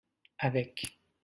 avec.